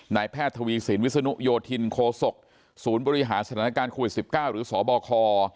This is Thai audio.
แพทย์ทวีสินวิศนุโยธินโคศกศูนย์บริหารสถานการณ์โควิด๑๙หรือสบค